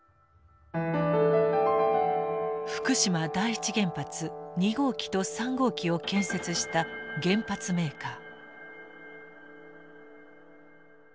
福島第一原発２号機と３号機を建設した原発メーカー。